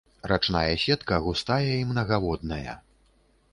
Рачная сетка густая і мнагаводная.